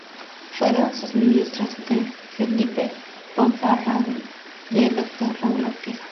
Fueron sus Ministros D. Felipe Ponferrada y el Dr. Raúl Ortega.